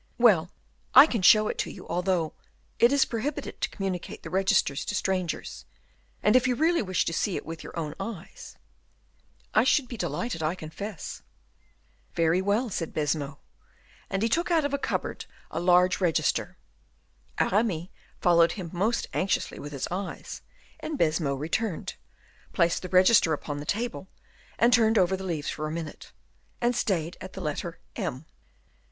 "Well, I can show it to you, although it is prohibited to communicate the registers to strangers; and if you really wish to see it with your own eyes " "I should be delighted, I confess." "Very well," said Baisemeaux, and he took out of a cupboard a large register. Aramis followed him most anxiously with his eyes, and Baisemeaux returned, placed the register upon the table, and turned over the leaves for a minute, and stayed at the letter M.